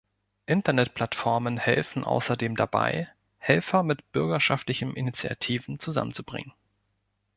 Internetplattformen helfen außerdem dabei, Helfer mit bürgerschaftlichen Initiativen zusammenzubringen.